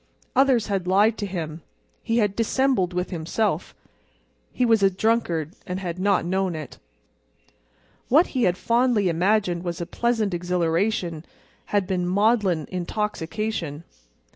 Others had lied to him; he had dissembled with himself. He was a drunkard, and had not known it. What he had fondly imagined was a pleasant exhilaration had been maudlin intoxication.